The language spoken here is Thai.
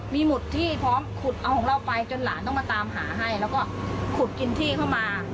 มีหุดที่พร้อมขุดเอาของเราไปจนหลานต้องมาตามหาให้แล้วก็ขุดกินที่เข้ามา